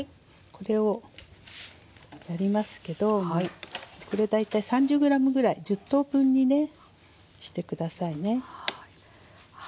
これを塗りますけどこれ大体３０ｇぐらい１０等分にねして下さいね。